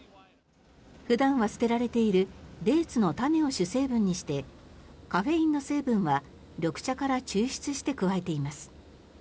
普段は捨てられているデーツの種を主成分にしてカフェインの成分は緑茶から抽出して加えています。